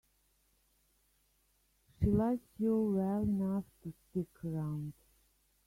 She likes you well enough to stick around.